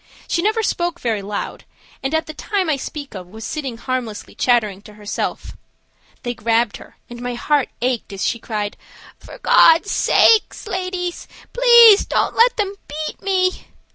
She never spoke very loud, and at the time I speak of was sitting harmlessly chattering to herself. They grabbed her, and my heart ached as she cried: "For God sake, ladies, don't let them beat me."